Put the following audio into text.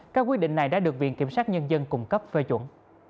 các quy định này đã được viện kiểm soát nhân dân cung cấp phê chuẩn